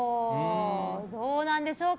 どうなんでしょうか。